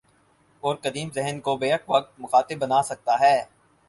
اور قدیم ذہن کو بیک وقت مخاطب بنا سکتا ہے۔